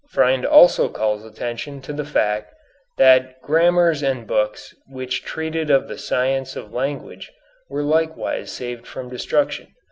Freind also calls attention to the fact that grammars and books which treated of the science of language were likewise saved from destruction.